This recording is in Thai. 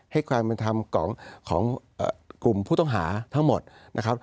ให้ความเป็นธรรมของกลุ่มผู้ต้องหาทั้งหมดนะครับ